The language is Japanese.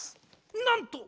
なんと！